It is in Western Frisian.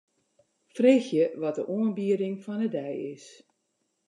Freegje wat de oanbieding fan 'e dei is.